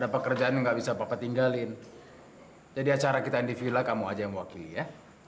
pekerjaan ga bisa papa tinggalin jadi acara kita di villa kamu aja yang wakili ya